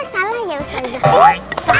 salah ya ustazah